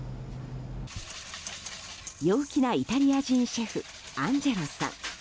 陽気なイタリア人シェフアンジェロさん。